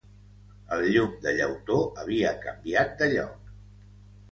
El llum de llautó havia canviat de lloc.